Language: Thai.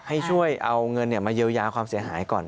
ให้ช่วยเอาเงินมาเยียวยาความเสียหายก่อน